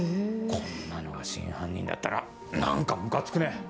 こんなのが真犯人だったら何かムカつくね！